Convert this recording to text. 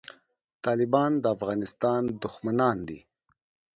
طالبان د افغانستان دښمنان دي